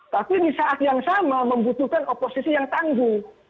tapi di saat yang sama membutuhkan oposisi yang tangguh